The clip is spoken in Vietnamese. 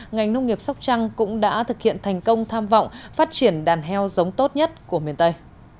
ngành nông nghiệp sóc trăng cũng đã thực hiện thành công tham vọng phát triển đàn heo giống tốt nhất của miền tây